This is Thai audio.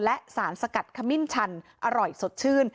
และสารสกัดขมิ้นชันอร่อยสดชื่น